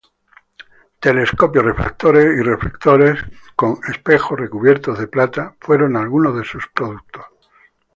Telescopios refractores y reflectores con espejos recubiertos de plata fueron algunos de sus productos.